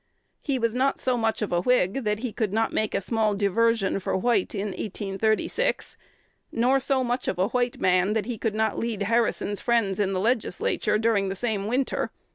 He was not so much of a Whig that he could not make a small diversion for White in 1836, nor so much of a White man that he could not lead Harrison's friends in the Legislature during the same winter.